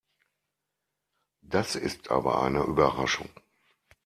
Das ist aber eine Überraschung.